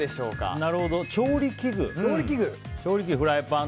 調理器具。